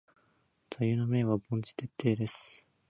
座右の銘は凡事徹底です。